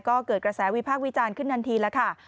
ก็เกิดกระแสวิพากษ์วิจารณ์ขึ้นทันทีแล้วค่ะ